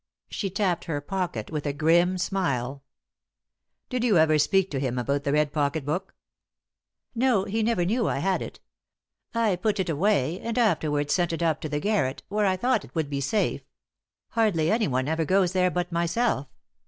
She tapped her pocket with a grim smile. "Did you ever speak to him about the red pocket book?" "No, he never knew I had it. I put it away, and afterwards sent it up to the garret, where I thought it would be safe. Hardly anyone ever goes there but myself.